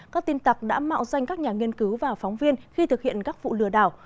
các tin tặc đã mạo danh các nhà nghiên cứu và phóng viên khi thực hiện các vụ lừa đảo